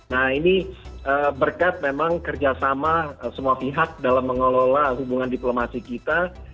nah ini berkat memang kerjasama semua pihak dalam mengelola hubungan diplomasi kita